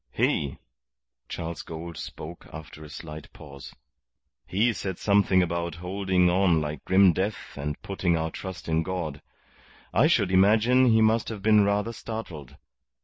"He" Charles Gould spoke after a slight pause "he said something about holding on like grim death and putting our trust in God. I should imagine he must have been rather startled.